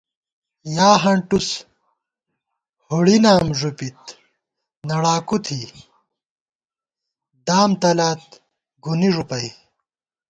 یا ہنٹُس ہُڑی نام ݫُپِت نڑاکُو تھی، دام تلات گُنی ݫُپَئ